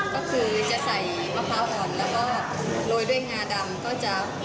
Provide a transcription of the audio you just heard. ก็คือจะใส่มะพร้าวอ่อนแล้วก็โรยด้วยงาดำก็จะ